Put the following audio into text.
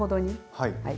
はい。